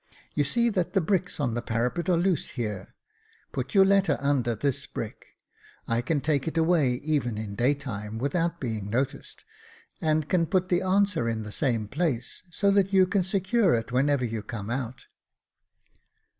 You see that the bricks on the parapet are loose here. Put your letter under this brick — I can take it away even in day time, without being noticed, and can put the answer in the same place, so that you can secure it when you come out."